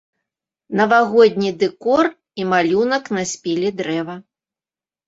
Навагодні дэкор і малюнак на спіле дрэва.